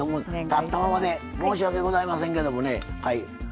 立ったままで申し訳ございませんけどね。